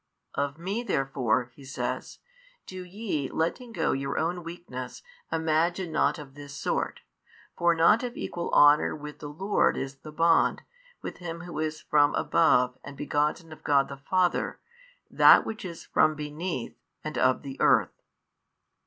Of Me therefore (He says) do ye letting go your own weakness imagine nought of this sort, for not of equal honour with the Lord is the bond, with Him Who is from above and begotten of God the Father that which is from beneath and of the earth.